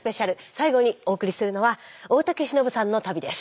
最後にお送りするのは大竹しのぶさんの旅です。